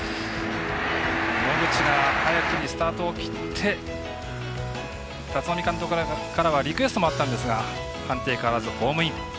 野口が早くにスタートを切って立浪監督からはリクエストもあったんですが判定変わらず、ホームイン。